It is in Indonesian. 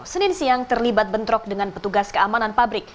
senin siang terlibat bentrok dengan petugas keamanan pabrik